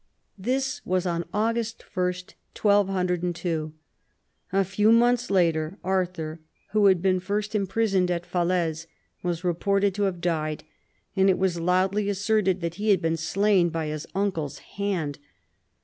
This was on August 1, 1202. A few months later Arthur, who had been first imprisoned at Falaise, was reported to have died, and it was loudly asserted that he had been slain by his uncle's hand.